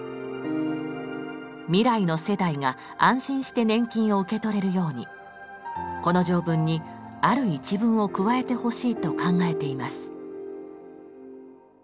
未来の世代が安心して年金を受け取れるようにこの条文にある一文を加えてほしいと考えています。